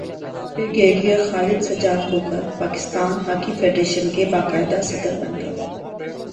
brigadier Khalid Sajjad Khokhar Pakistan hockey federation کے باقاعدہ صدر بن گئے